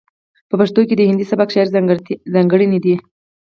په پښتو کې د هندي سبک شاعرۍ ځاتګړنې دي.